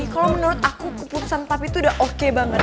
kalo menurut aku keputusan papi tuh udah oke banget